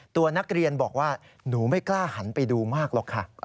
ตัวนักเรียนบอกว่าหนูไม่กล้าหันไปดูมากหรอกค่ะ